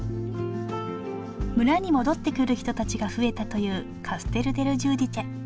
村に戻ってくる人たちが増えたというカステル・デル・ジューディチェ。